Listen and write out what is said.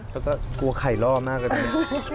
เธอก็กลัวไข่ล่อมากเลย